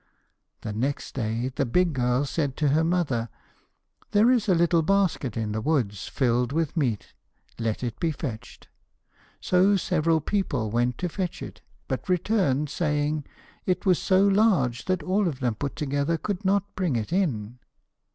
The next day the big girl said to her mother, 'There is a little basket in the woods, filled with meat. Let it be fetched.' So several people went to fetch it, but returned, saying it was so large that all of them put together could not bring it in.